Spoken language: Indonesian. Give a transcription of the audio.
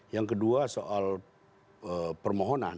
yang kedua soal permohonan